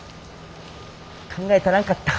考え足らんかった。